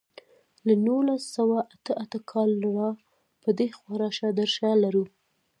له نولس سوه اته اته کال را په دېخوا راشه درشه لرو.